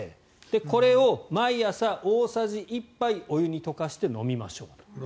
これを毎朝大さじ１杯お湯に溶かして飲みましょう。